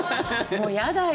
もう嫌だよ。